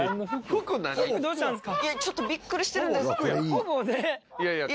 服どうしたんですか？